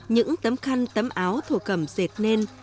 những tấm khăn tấm áo thổ cầm dệt nên